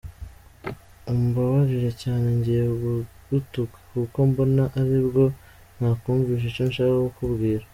umbabarire cyane ngiye kugutuka kuko mbona ari bwo nakumvisha icyo nshaka kukubwira.